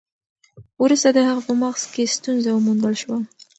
وروسته د هغه په مغز کې ستونزه وموندل شوه.